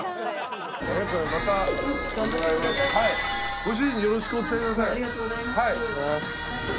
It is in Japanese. ご主人によろしくお伝えください。